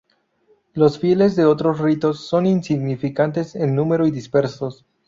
Los fieles de otros ritos son insignificantes en número y dispersos.